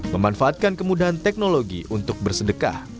memanfaatkan kemudahan teknologi untuk bersedekah